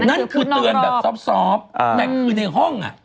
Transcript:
นั่นคือเตือนแบบซอบ